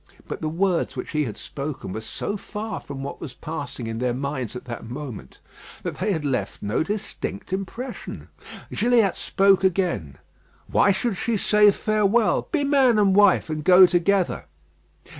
But the words which he had spoken were so far from what was passing in their minds at that moment, that they had left no distinct impression. Gilliatt spoke again: "Why should you say farewell? Be man and wife, and go together."